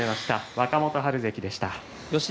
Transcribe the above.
若元春関でした。